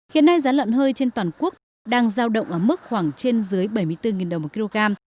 hiện nay giá lợn hơi trên toàn quốc đang giao động ở mức khoảng trên dưới bảy mươi bốn đồng một kg